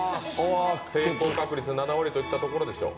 成功確率７割といったところでしょう。